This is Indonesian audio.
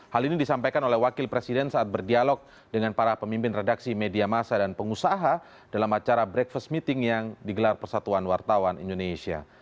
hal ini disampaikan oleh wakil presiden saat berdialog dengan para pemimpin redaksi media masa dan pengusaha dalam acara breakfast meeting yang digelar persatuan wartawan indonesia